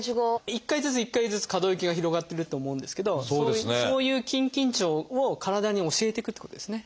一回ずつ一回ずつ可動域が広がってると思うんですけどそういう筋緊張を体に教えていくってことですね。